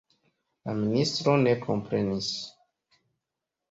La ministro ne komprenis.